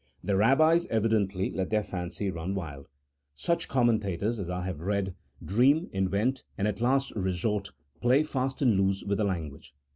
The Kabbis evidently let their fancy run wild. Such com mentators as I have read, dream, invent, and as a last resort, play fast and loose with the language.